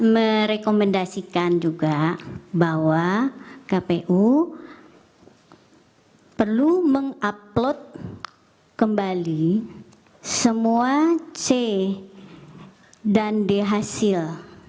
merekomendasikan juga bahwa kpu perlu mengupload kembali semua c dan d hasil